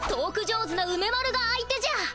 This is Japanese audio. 上手な梅丸が相手じゃ。